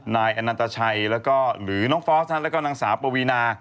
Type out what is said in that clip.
นายอนันตชัยแล้วก็หรือน้องฟอสแล้วก็นางสาวปวีนา